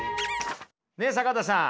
ねえ坂田さん